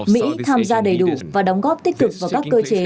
mỹ tham gia đầy đủ và đóng góp tích cực vào các cơ chế